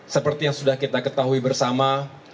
seperti yang sudah kita ketahui bersama